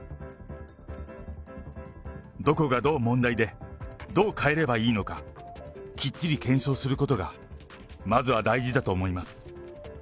どこがどう問題で、どう変えればいいのか、きっちり検証することが、まずは大事だと思います。